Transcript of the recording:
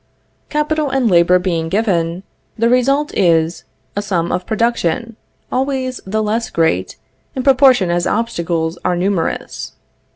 Capital and labor being given, the result is, a sum of production, always the less great, in proportion as obstacles are numerous.